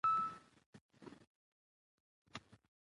شیدې باید تل د څښلو مخکې ویشول شي.